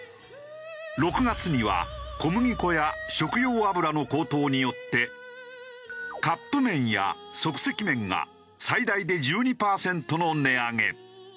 ６月には小麦粉や食用油の高騰によってカップ麺や即席麺が最大で１２パーセントの値上げ。